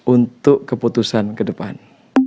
untuk keputusan kedepan